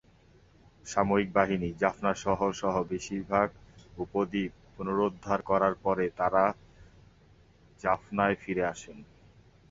সামরিক বাহিনী জাফনা শহর সহ বেশিরভাগ উপদ্বীপ পুনরুদ্ধার করার পরে তারা জাফনায় ফিরে আসে।